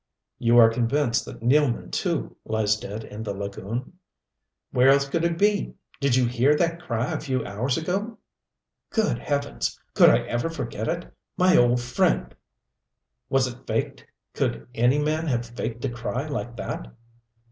"You are convinced that Nealman, too, lies dead in the lagoon?" "Where else could he be? Did you hear that cry a few hours ago?" "Good Heavens! Could I ever forget it? My old friend " "Was it faked? Could any man have faked a cry like that?"